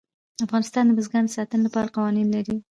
افغانستان د بزګان د ساتنې لپاره قوانین لري.